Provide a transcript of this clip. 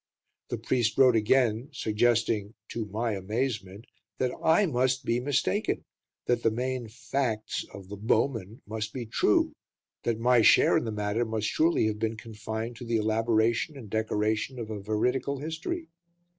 The priest wrote again, suggesting to my amazement that I must be mistaken, that the main "facts" of "The Bowmen" must be true, that my share in the matter must surely have been confined to the elaboration and decoration of a veridical history.